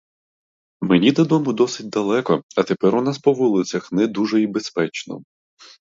Мені додому досить далеко, а тепер у нас по вулицях не дуже й безпечно.